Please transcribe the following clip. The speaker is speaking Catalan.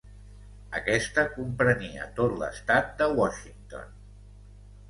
Aquesta comprenia tot l'estat de Washington.